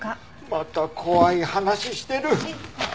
また怖い話してる！